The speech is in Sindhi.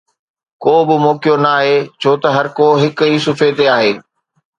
ڪو به موقعو ناهي ڇو ته هرڪو هڪ ئي صفحي تي آهي